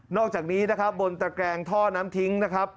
อกจากนี้นะครับบนตะแกรงท่อน้ำทิ้งนะครับ